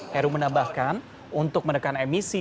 heru menambahkan untuk menekan emisi